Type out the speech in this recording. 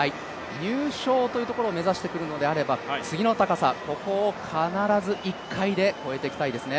入賞というところを目指してくるのであれば、次の高さ、ここを必ず１回で越えてきたいですね。